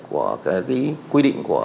của cái quy định